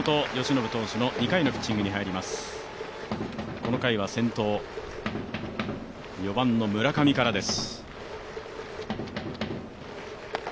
この回は先頭、４番の村上からです。